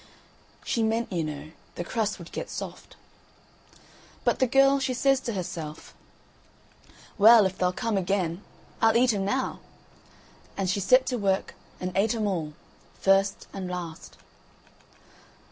She meant, you know, the crust would get soft. But the girl, she says to herself: "Well, if they'll come again, I'll eat 'em now." And she set to work and ate 'em all, first and last.